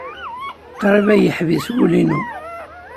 Qrib ay yeḥbis wul-inu.